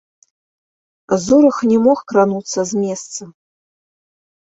Зорах не мог крануцца з месца.